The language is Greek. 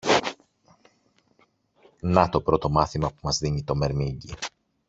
Να το πρώτο μάθημα που μας δίνει το μερμήγκι.